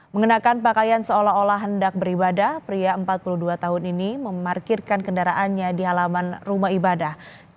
mengenakan pakaian seolah olah hendak beribadah pria empat puluh dua tahun ini memarkirkan kendaraannya di halaman rumah ibadah